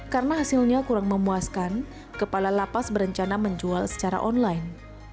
karena hasilnya kurang memuaskan kepala lapas berencana menjual secara online